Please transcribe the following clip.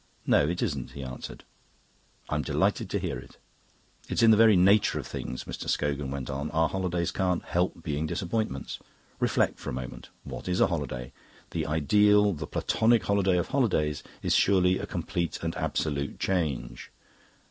"No, it isn't," he answered. "I'm delighted to hear it." "It's in the very nature of things," Mr. Scogan went on; "our holidays can't help being disappointments. Reflect for a moment. What is a holiday? The ideal, the Platonic Holiday of Holidays is surely a complete and absolute change.